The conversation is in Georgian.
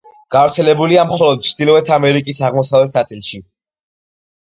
გავრცელებულია მხოლოდ ჩრდილოეთ ამერიკის აღმოსავლეთ ნაწილში.